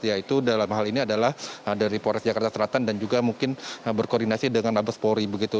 ya itu dalam hal ini adalah dari polres jakarta selatan dan juga mungkin berkoordinasi dengan labus polri